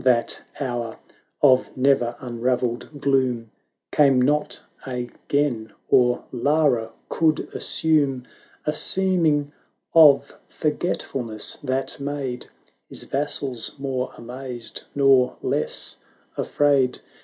that hour of ne'er un ravelled gloom Came not again, or Lara could assume A seeming of forgetfulness that made His vassals more amazed, nor less afraid.